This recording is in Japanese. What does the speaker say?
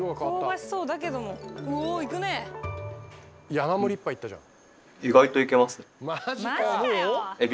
山盛り１杯いったじゃん。